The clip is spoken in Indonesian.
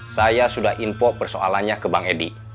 saya sudah info persoalannya ke bang edi